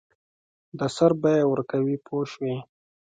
د سر بیه ورکوي پوه شوې!.